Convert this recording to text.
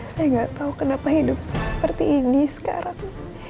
saya gak tau kenapa hidup saya seperti ini sekarang